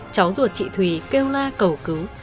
cháu ruột chị thùy kêu la cầu cứu